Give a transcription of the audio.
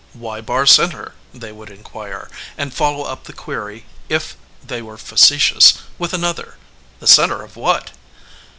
"Why Barr Cen ter ?" they would inquire, and f ollow up the query, if they were facetious, with another: "The center of what?"